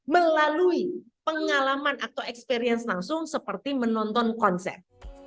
melalui pengalaman atau experience langsung seperti menonton konsep